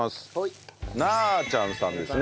なちゃんさんですね。